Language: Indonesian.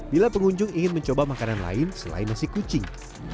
bila pengunjung ingin mencoba makanan lain selain nasi kucing